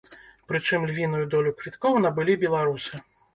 Прычым, львіную долю квіткоў набылі беларусы.